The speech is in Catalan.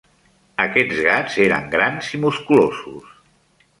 Aquests gats eren grans i musculosos.